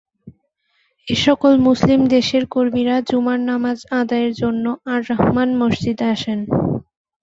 এসকল মুসলিম দেশের কর্মীরা জুমার নামাজ আদায়ের জন্য আর-রাহমান মসজিদে আসেন।